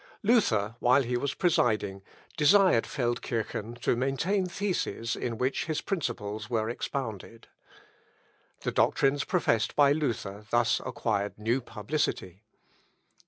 Luther, while he was presiding, desired Feldkirchen to maintain theses in which his principles were expounded. The doctrines professed by Luther thus acquired new publicity.